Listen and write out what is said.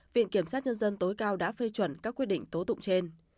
viện kiểm sát nhân dân tối cao đã phê chuẩn các quyết định tố tụng trên